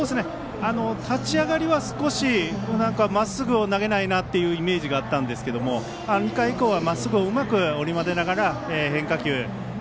立ち上がりは少しまっすぐを投げないなというイメージがあったんですが２回以降はまっすぐをうまく織り交ぜながら変化球も。